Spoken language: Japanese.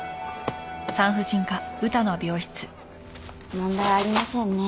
問題ありませんね。